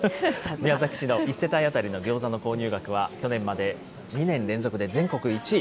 宮崎市の１世帯当たりのギョーザの購入額は、去年まで、２年連続で全国１位。